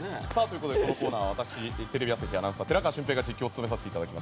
このコーナーはテレビ朝日アナウンサー寺川俊平が実況を務めさせていただきます。